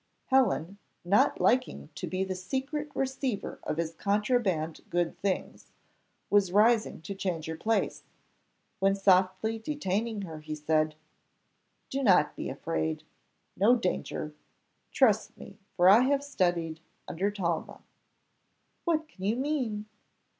Helen, not liking to be the secret receiver of his contraband good things, was rising to change her place, when softly detaining her, he said, "Do not be afraid, no danger trust me, for I have studied under Talma." "What can you mean?"